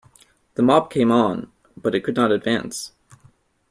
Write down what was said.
The mob came on, but it could not advance.